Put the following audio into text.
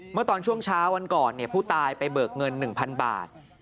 เมื่อตอนช่วงเช้าวันก่อนผู้ตายไปเบิกเงิน๑๐๐๐บาท